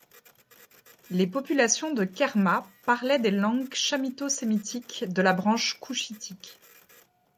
Les populations de Kerma parlaient des langues chamito-sémitiques de la branche couchitique.